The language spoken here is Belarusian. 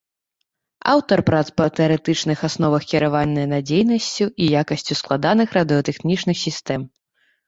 Аўтар прац па тэарэтычных асновах кіравання надзейнасцю і якасцю складаных радыётэхнічных сістэм.